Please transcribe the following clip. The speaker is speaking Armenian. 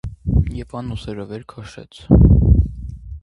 Եվան ուսերը վեր քաշեց: